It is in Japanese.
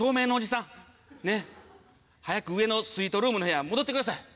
早く上のスイートルームの部屋戻ってください。